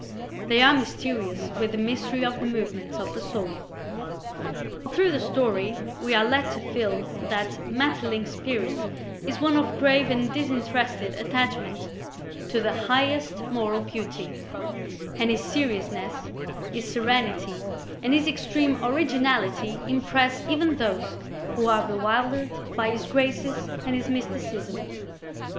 They are mysterious with the mystery of the movements of the soul. All through the story we are led to feel that Maeterlinck's spirit is one of grave and disinterested attachment to the highest moral beauty, and his seriousness, his serenity and his extreme originality impress even those who are bewildered by his graces and his mysticism.